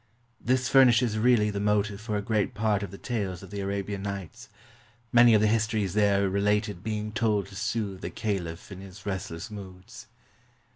This furnishes really the motive for a great part of the tales of the "Arabian Nights," many of the histories there related being told to soothe the caliph in his restless moods.